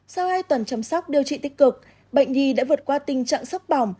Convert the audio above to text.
sau hai tuần chăm sóc điều trị tích cực bệnh nhi đã vượt qua tình trạng sốc bỏng